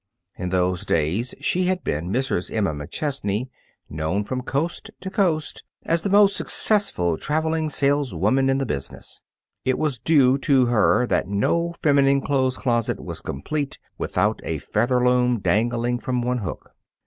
In those days, she had been Mrs. Emma McChesney, known from coast to coast as the most successful traveling saleswoman in the business. It was due to her that no feminine clothes closet was complete without a Featherloom dangling from one hook.